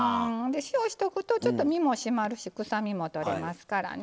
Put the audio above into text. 塩しとくとちょっと身も締まるし臭みも取れますからね。